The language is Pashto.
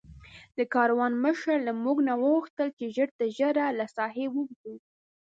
د کاروان مشر له موږ نه وغوښتل چې ژر تر ژره له ساحې ووځو.